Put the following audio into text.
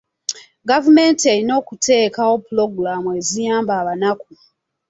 Gavumenti erina okuteekawo pulogulaamu eziyamba abannaku.